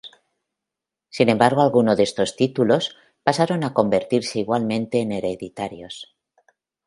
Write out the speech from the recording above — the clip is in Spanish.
Sin embargo algunos de estos títulos pasaron a convertirse igualmente en hereditarios.